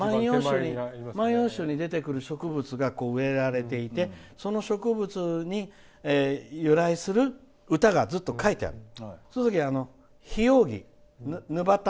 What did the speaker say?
「万葉集」に出てくる植物が植えられていて、その植物に由来する歌がずっと書いてあるの。